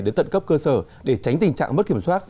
đến tận cấp cơ sở để tránh tình trạng mất kiểm soát